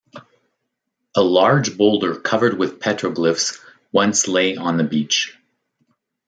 A large boulder covered with petroglyphs once lay on the beach.